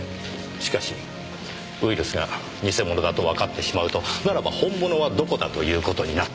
しかしウイルスが偽物だとわかってしまうとならば本物はどこだという事になってしまう。